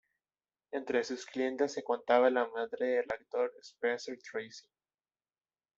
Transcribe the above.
Entre sus clientes se contaba la madre del actor Spencer Tracy.